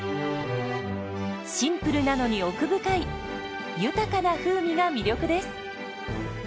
シンプルなのに奥深い豊かな風味が魅力です。